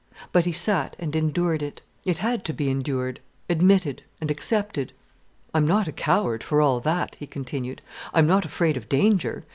But he sat and endured it. It had to be endured, admitted, and accepted. "I'm not a coward, for all that," he continued. "I'm not afraid of danger.